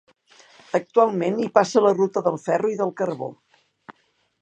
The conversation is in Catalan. Actualment, hi passa la Ruta del Ferro i del Carbó.